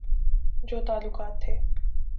جو تعلقات تھے۔